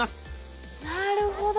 なるほど！